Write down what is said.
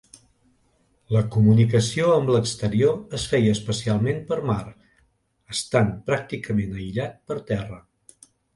La comunicació amb l'exterior es feia especialment per mar, estant pràcticament aïllat per terra.